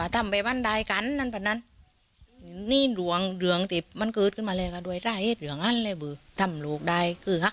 ทำลูกได้คือ